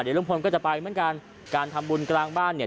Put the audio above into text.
เดี๋ยวลุงพลก็จะไปเหมือนกันการทำบุญกลางบ้านเนี่ย